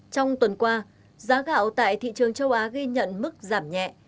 trong tuần qua giá gạo tại thị trường châu á ghi nhận mức giảm nhẹ